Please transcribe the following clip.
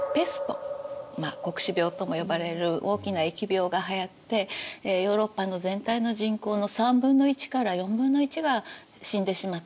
まあ黒死病とも呼ばれる大きな疫病がはやってヨーロッパの全体の人口の３分の１から４分の１が死んでしまったと。